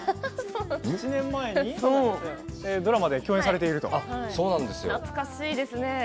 ７年前にドラマで共演されているんですね。